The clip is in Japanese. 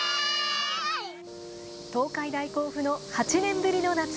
東海大甲府の８年ぶりの夏。